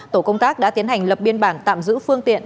tổ công tác đã tiến hành lập biên bản tạm giữ phương tiện